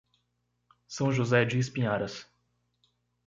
São José de Espinharas